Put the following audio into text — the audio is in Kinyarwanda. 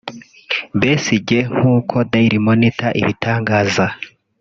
Besigye nk’uko Dailymonitor ibitangaza